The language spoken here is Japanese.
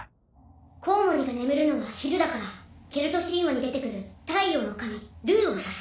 蝙蝠が眠るのは昼だからケルト神話に出てくる太陽の神ルーを指す。